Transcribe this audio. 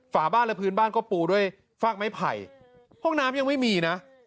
ฝาบ้านและพื้นบ้านก็ปูด้วยฟากไม้ไผ่ห้องน้ำยังไม่มีนะ